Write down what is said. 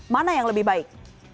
mana yang lebih baik